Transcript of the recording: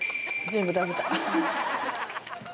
全部食べた。